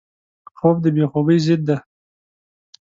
خوب د بې خوبۍ ضد دی